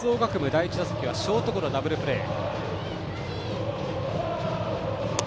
第１打席はショートゴロでダブルプレー。